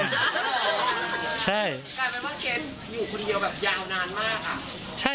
กลายเป็นว่าเกรทอยู่คนเดียวแบบยาวนานมากอะ